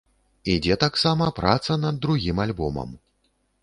Ідзе таксама праца над другім альбомам.